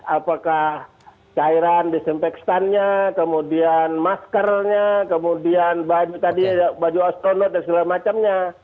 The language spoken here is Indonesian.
apakah cairan disinfektannya kemudian maskernya kemudian baju astonot dan segala macamnya